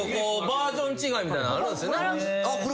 バージョン違いみたいなのあるんすよね。